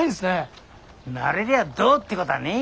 慣れりゃどうってこたぁねえ。